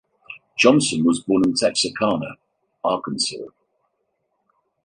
Johnson was born in Texarkana, Arkansas.